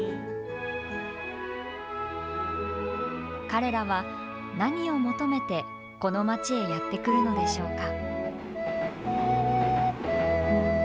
彼らは何を求めて、この街へやって来るのでしょうか。